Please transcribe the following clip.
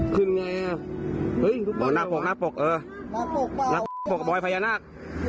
ขึ้นไงอ่ะหน้าปกเออหน้าปกบอยพยานัก